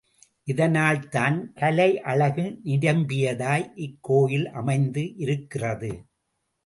இதனால்தான் கலை அழகு நிரம்பியதாய் இக்கோயில் அமைந்து இருக்கிறது.